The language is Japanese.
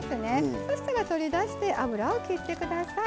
そしたら取り出して油を切ってください。